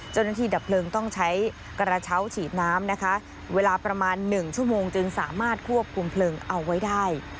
ดับเพลิงต้องใช้กระเช้าฉีดน้ำนะคะเวลาประมาณ๑ชั่วโมงจึงสามารถควบคุมเพลิงเอาไว้ได้